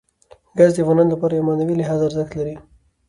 ګاز د افغانانو لپاره په معنوي لحاظ ارزښت لري.